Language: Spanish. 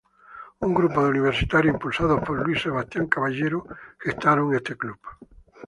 Un grupo de universitarios, impulsados por Luis Sebastián Caballero gestaron este club.